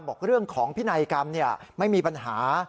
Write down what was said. บอกเรื่องของพินัยกรรมไม่มีปัญหา